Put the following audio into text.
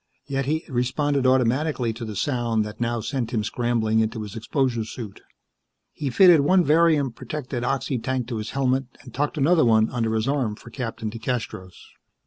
Yet he responded automatically to the sound that now sent him scrambling into his exposure suit. He fitted one varium protected oxy tank to his helmet and tucked another one under his arm for Captain DeCastros.